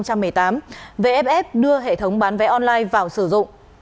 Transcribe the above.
trong bảng iff cup hai nghìn một mươi tám vff đưa hệ thống bán vé online vào sử dụng